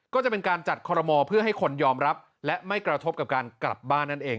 ก็จะเป็นการจัดคอรมอเพื่อให้คนยอมรับและไม่กระทบกับการกลับบ้านนั่นเอง